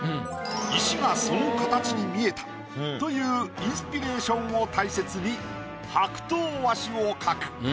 石がその形に見えたというインスピレーションを大切にハクトウワシを描く。